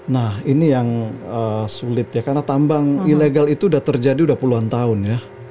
nah ini yang sulit ya karena tambang ilegal itu sudah terjadi sudah puluhan tahun ya